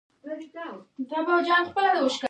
ایا ستاسو میوه به خوږه وي؟